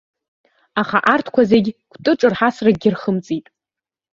Аха арҭқәа зегь кәтыҿырҳасракгьы рхымҵит.